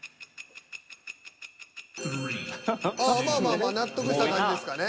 ああまあまあまあ納得した感じですかね？